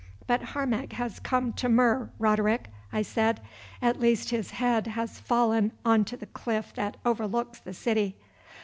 "But Harmac has come to Mur, Roderick," I said; "at least his head has fallen on to the cliff that overlooks the city."